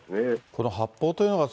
この発砲というのが、